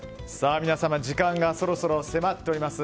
皆さん、時間がそろそろ迫っております。